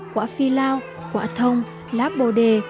quả phi lao quả thông lá bồ đề